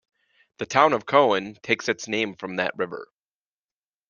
The town of Coen takes its name from that river.